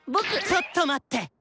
ちょっと待って！